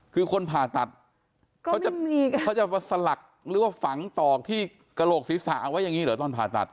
คือคนผ่าตัดเขาจะสลักหรือว่าฝังตอกที่กระโหลกศีรษะเอาไว้อย่างนี้เหรอตอนผ่าตัด